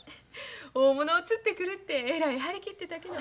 大物を釣ってくるってえらい張り切ってたけど。